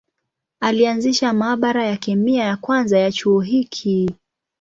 Alianzisha maabara ya kemia ya kwanza ya chuo hiki.